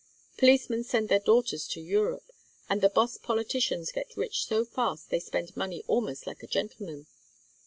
Policemen send their daughters to Europe, and the boss politicians get rich so fast they spend money almost like a gentleman.